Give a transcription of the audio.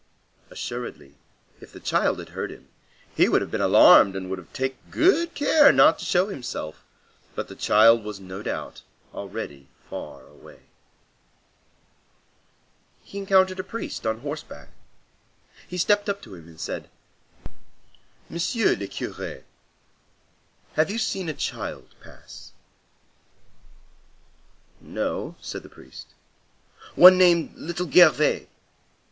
Assuredly, if the child had heard him, he would have been alarmed and would have taken good care not to show himself. But the child was no doubt already far away. He encountered a priest on horseback. He stepped up to him and said:— "Monsieur le Curé, have you seen a child pass?" "No," said the priest. "One named Little Gervais?"